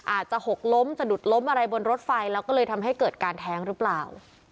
หกล้มสะดุดล้มอะไรบนรถไฟแล้วก็เลยทำให้เกิดการแท้งหรือเปล่า